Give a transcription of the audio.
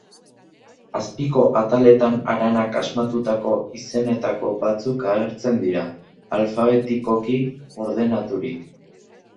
Azpiko ataletan Aranak asmatutako izenetako batzuk agertzen dira, alfabetikoki ordenaturik.